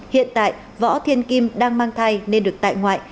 hiện tại võ thiên kim đang mang thai nên được tại ngoại